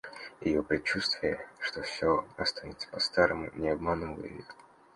Ее предчувствие, что всё останется по-старому, — не обмануло ее.